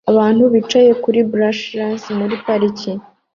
Abantu bicaye kuri blachers muri parike